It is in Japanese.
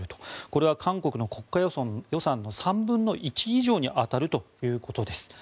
これは韓国の国家予算の３分の１以上に当たるということです。